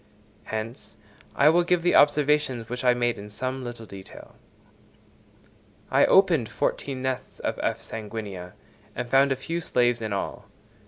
Hence, I will give the observations which I made in some little detail. I opened fourteen nests of F. sanguinea, and found a few slaves in all.